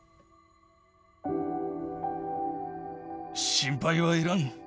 心配はいらん。